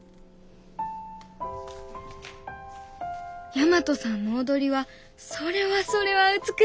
大和さんの踊りはそれはそれは美しかった。